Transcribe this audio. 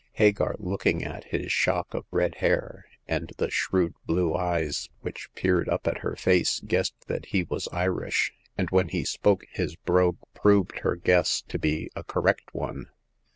Hagar, looking at his shock of red hair, and the shrewd blue eyes which peered up at her face, guessed that he was Irish ; and when he spoke, his brogue proved her guess to be a correct one.